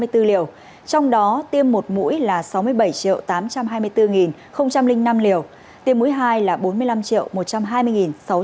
trong đó tiêm một mũi là sáu mươi bảy tám trăm hai mươi bốn năm liều tiêm mũi hai là bốn mươi năm một trăm hai mươi sáu trăm hai mươi chín liều